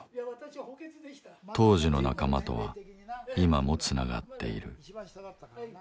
当時の仲間とは今もつながっている。